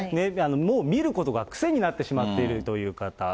もう見ることが癖になってしまっているという方。